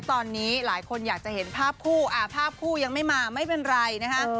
ตอนนี้หลายคนอยากจะเห็นภาพคู่ภาพคู่ยังไม่มาไม่เป็นไรนะฮะ